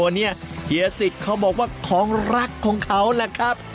เฮียสิตเขาบอกว่าของรักของเขาแหละครับ